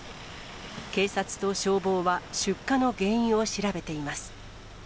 警察と消防は出火の原因を調べています。